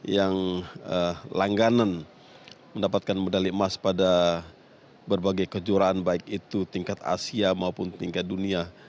yang langganan mendapatkan medali emas pada berbagai kejuaraan baik itu tingkat asia maupun tingkat dunia